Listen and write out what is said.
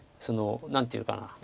その何ていうかな。